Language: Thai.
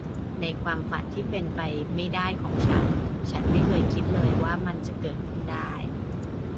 ในความฝันที่เป็นไปไม่ได้ของฉัน ฉันไม่เคยคิดเลยว่ามันจะเกิดขึ้นได้